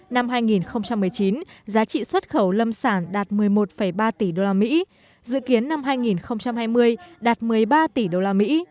năm hai nghìn một mươi chín giá trị xuất khẩu lâm sản đạt một mươi một ba tỷ usd dự kiến năm hai nghìn hai mươi đạt một mươi ba tỷ đô la mỹ